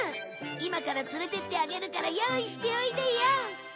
今から連れてってあげるから用意しておいでよ！